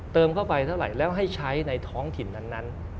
เข้าไปเท่าไหร่แล้วให้ใช้ในท้องถิ่นนั้น